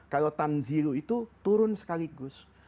kalau tanzilu itu turun sekaligus